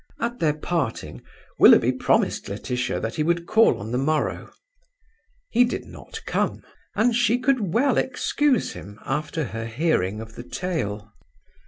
At their parting, Willoughby promised Laetitia that he would call on the morrow. He did not come; and she could well excuse him, after her hearing of the tale.